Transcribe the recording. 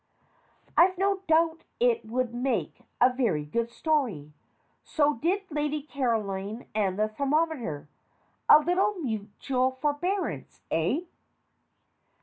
I've no doubt it would make a very good story. So did Lady Caroline and the thermometer. A little mu tual forbearance, eh?